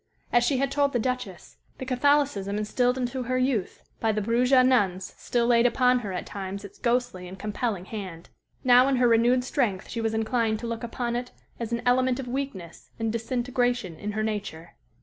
As she had told the Duchess, the Catholicism instilled into her youth by the Bruges nuns still laid upon her at times its ghostly and compelling hand. Now in her renewed strength she was inclined to look upon it as an element of weakness and disintegration in her nature.